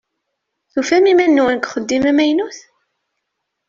Tufam iman-nwen deg uxeddim amaynut?